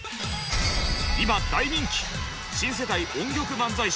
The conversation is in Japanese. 今大人気！